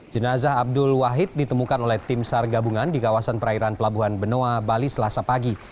jenazah abdul wahid ditemukan oleh tim sar gabungan di kawasan perairan pelabuhan benoa bali selasa pagi